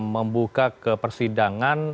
membuka ke persidangan